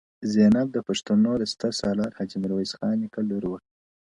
• زینب د پښتنو د ستر سالار حاجي میرویس خان نیکه لور وه..